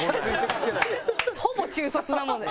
ほぼ中卒なもんで。